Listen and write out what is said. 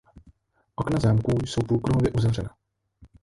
Okna zámku jsou půlkruhově uzavřena.